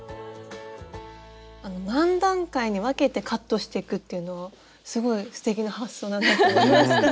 何段階に分けてカットしていくっていうのをすごいすてきな発想だなと思いました。